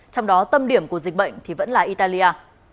trong đó tâm điểm của dịch bệnh thì vẫn là italia